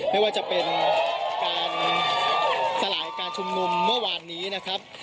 ไม่ว่าจะเป็นการสลายการชุมนุมเมื่อวานนี้นะครับ